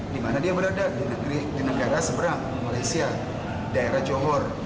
di mana dia berada di negara seberang malaysia daerah johor